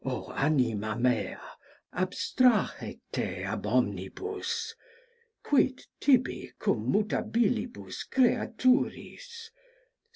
Oh anima mea, abstrahe te ab omnibus. Quid tibi cum mutabilibus creaturis?